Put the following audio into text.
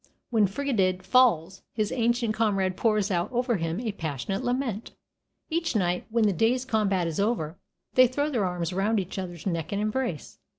When Ferdiad falls, his ancient comrade pours out over him a passionate lament. Each night, when the day's combat is over, they throw their arms round each other's neck and embrace.